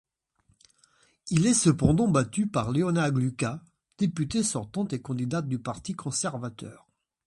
Il est cependant battu par Leona Aglukkaq, députée sortante et candidate du Parti conservateur.